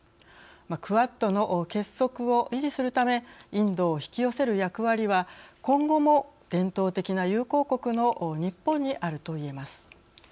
クアッドの結束を維持するためインドを引き寄せる役割は今後も伝統的な友好国の日本にあるといえます。